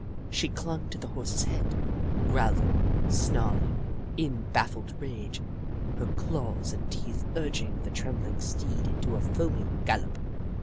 She clung to the Horse's tail, growling and snarling in baffled rage, her claws and teeth urging the trembling steed into a foaming gallop.